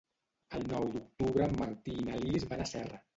El nou d'octubre en Martí i na Lis van a Serra.